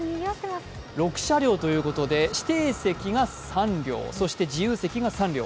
６車両ということで指定席が３両、そして自由席が３両。